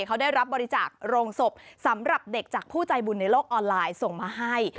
เขาได้รับบริจาคโรงศพสำหรับเด็กจากผู้ใจบุญในโลกออนไลน์ส่งมาให้